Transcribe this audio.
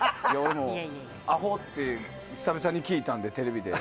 俺も、アホって久々に聞いたんで、テレビで。